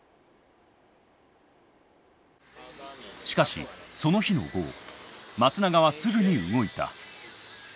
しかしその日の午後松永はすぐに動いた。